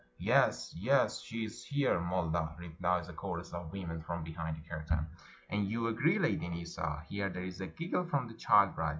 "Yes, yes, she is here, mullah," replies a chorus of women from behind the curtain. " And you agree, Lady Nissa?" Here there is a giggle from the child bride.